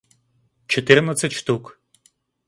четырнадцать штук